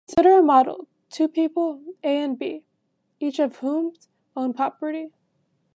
Consider a model: two people, A and B, each of whom owns property.